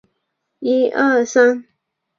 他们有些是贝塔以色列。